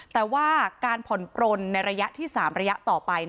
แต่ว่าการผอลปรนในที่๓รายะต่อไป